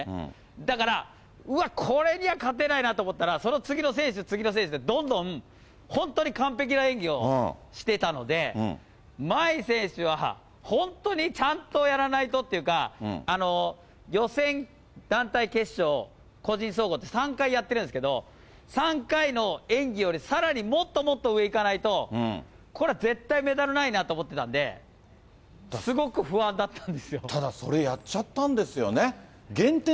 だから、うわっ、これには勝てないなと思ったら、その次の選手、次の選手って、どんどん、本当に完璧な演技をしてたので、茉愛選手は本当にちゃんとやらないとっていうか、予選、団体決勝、個人総合って、３回やってるんですけど、３回の演技より、さらにもっともっと上いかないと、これは絶対メダルないなと思ってたんで、ただ、それやっちゃったんですよね。